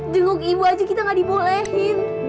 jenguk ibu aja kita gak dibolehin